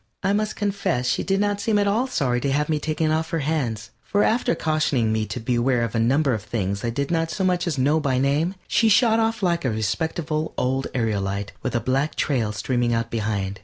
I must confess she did not seem at all sorry to have me taken off her hands, for after cautioning me to beware of a number of things I did not so much as know by name, she shot off like a respectable old aerolite with a black trail streaming out behind.